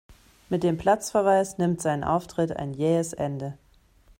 Mit dem Platzverweis nimmt sein Auftritt ein jähes Ende.